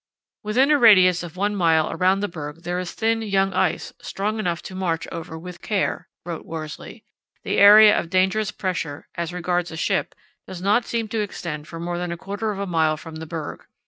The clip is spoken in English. "Within a radius of one mile round the berg there is thin young ice, strong enough to march over with care," wrote Worsley. "The area of dangerous pressure, as regards a ship, does not seem to extend for more than a quarter of a mile from the berg.